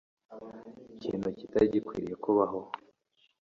ikintu kitari gikwiriye kubaho